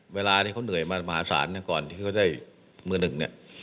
เวลาที่เขาเหนื่อยมามหาศาลก่อนที่เขาได้มือหนึ่งเนี่ย